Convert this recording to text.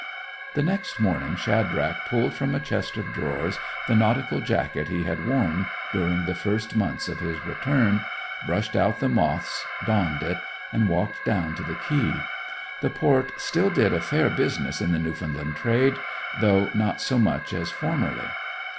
The next morning Shadrach pulled from a chest of drawers the nautical jacket he had worn during the first months of his return, brushed out the moths, donned it, and walked down to the quay. The port still did a fair business in the Newfoundland trade, though not so much as formerly.